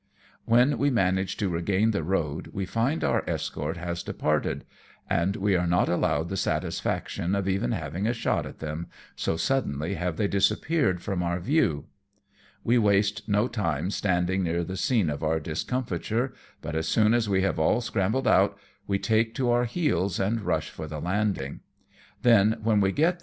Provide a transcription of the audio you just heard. When we manage to regain the road, we find our escort has departed, and we are not allowed the satisfaction of even having a shot at them, so suddenly have they disappeared from our view. We waste no time standing near the scene of our discomfiture, but as soon as we have all scrambled out, we take to our heels and rush for the landing; then, when we get ' ARRIVE AT NAGASAKI.